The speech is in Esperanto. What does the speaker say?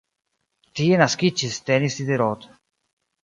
Tie naskiĝis Denis Diderot.